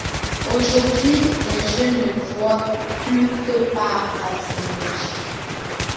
Aujourd’hui, les jeunes ne voient plus que par la technologie.